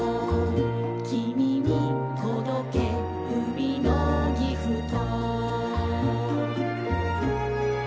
「きみにとどけ海のギフト」